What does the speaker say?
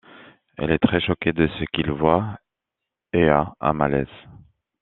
Il est très choqué de ce qu'il voit et a un malaise.